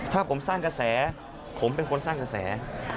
ถ้าผมสร้างกระแสผมเป็นคนสร้างกระแส